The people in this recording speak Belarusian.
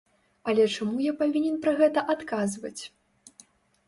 Але чаму я павінен пра гэта адказваць?